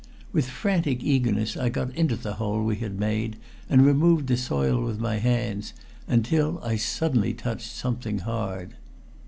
With frantic eagerness I got into the hole we had made and removed the soil with my hands, until I suddenly touched something hard.